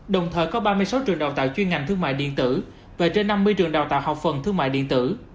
đồng thời có ba mươi sáu trường đào tạo chuyên ngành thương mại điện tử và trên năm mươi trường đào tạo học phần thương mại điện tử